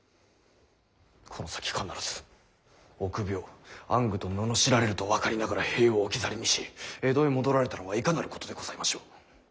「この先必ず臆病暗愚と罵られると分かりながら兵を置き去りにし江戸へ戻られたのはいかなることでございましょう。